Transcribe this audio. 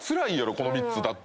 この３つだって。